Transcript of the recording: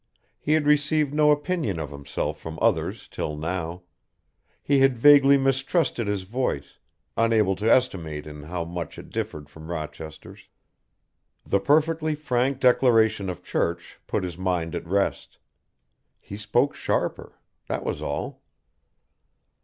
He had received no opinion of himself from others till now; he had vaguely mistrusted his voice, unable to estimate in how much it differed from Rochester's. The perfectly frank declaration of Church put his mind at rest. He spoke sharper that was all.